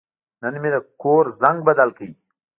نن مې د کور زنګ بدل کړ.